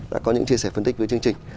đã có những chia sẻ phân tích với chương trình